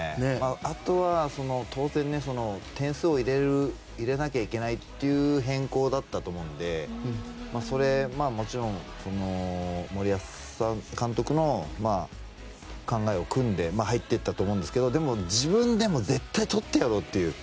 あとは当然点数を入れなければいけないという変更だったと思うんでそれはもちろん森保監督の考えをくんで入っていったと思いますけどでも、自分でも絶対に取ってやろうという。